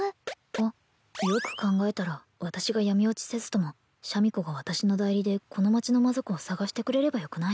あっよく考えたら私が闇墜ちせずともシャミ子が私の代理でこの町の魔族を探してくれればよくない？